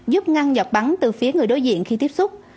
giúp ngăn giọt bắn từ phía người đối diện khi tiếp xúc